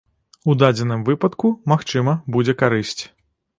У дадзеным выпадку, магчыма, будзе карысць.